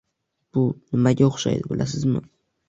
— Bu nimaga o‘xshaydi, bilasizmi?